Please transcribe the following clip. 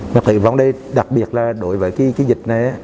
tẩy vong đây đặc biệt là đối với cái dịch này